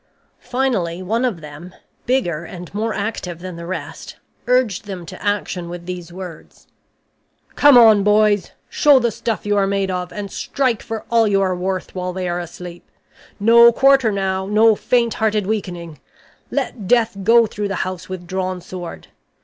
Finally, one of them, bigger and more active than the rest, urged them to action with these words: "'Come on, boys! Show the stuff you are made of, and strike for all you are worth while they are asleep! No quarter now, no faint hearted weakening! Let death go through the house with drawn sword!